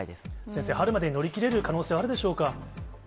先生、春までに乗り切れる可能性はあるでしょうか。